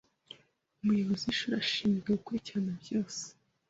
umuyobozi w'ishuri ashinzwe gukurikirana byose